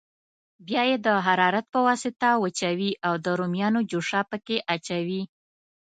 بیا یې د حرارت په واسطه وچوي او د رومیانو جوشه پکې اچوي.